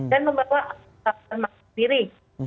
dan membawa masker sendiri